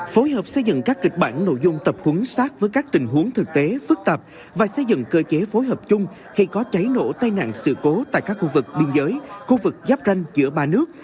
phối hợp xây dựng các kịch bản nội dung tập khuấn sát với các tình huống thực tế phức tạp và xây dựng cơ chế phối hợp chung khi có cháy nổ tai nạn sự cố tại các khu vực biên giới khu vực giáp ranh giữa ba nước